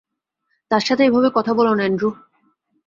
তার সাথে এভাবে কথা বলো না, অ্যান্ড্রু।